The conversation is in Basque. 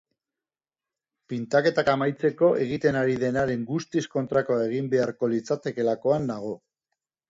Pintaketak amaitzeko egiten ari denaren guztiz kontrakoa egin beharko litzatekeelakoan dago.